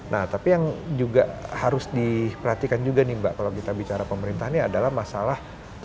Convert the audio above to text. nah tapi yang juga harus diperhatikan juga nih mbak kalau kita bicara pemerintah ini adalah masalah